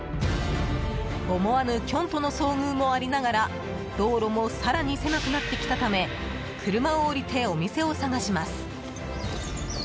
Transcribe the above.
思わぬキョンとの遭遇もありながら道路も更に狭くなってきたため車を降りてお店を探します。